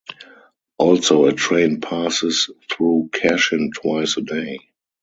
Also, a train passes through Kashin twice a day.